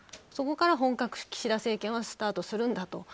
そこから本格岸田政権はスタートするんだと。